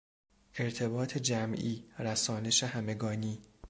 ارتباط جمعی، رسانش همگانی